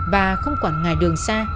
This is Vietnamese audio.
bà không quản ngài đường xa